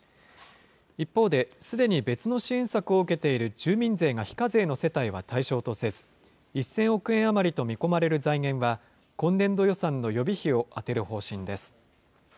一方で、すでに別の支援策を受けている住民税が非課税の世帯は対象とせず、１０００億円余りと見込まれる財源は、今年度予算の予備費を充てる方針です。